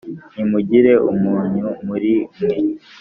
Nimugire umunyu muri mwe